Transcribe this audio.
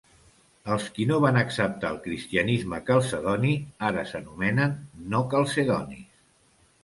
Els qui no van acceptar el cristianisme calcedoni ara s'anomenen "no calcedonis".